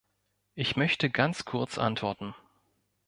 Ich möchte ganz kurz antworten.